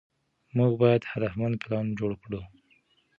موږ باید هدفمند پلان جوړ کړو.